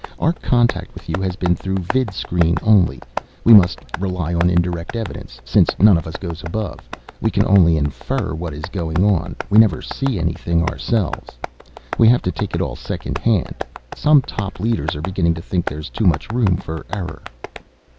Our contact with you has been through vidscreen only. We must rely on indirect evidence, since none of us goes above. We can only infer what is going on. We never see anything ourselves. We have to take it all secondhand. Some top leaders are beginning to think there's too much room for error."